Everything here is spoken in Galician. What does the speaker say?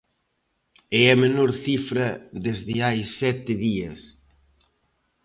É a menor cifra desde hai sete días.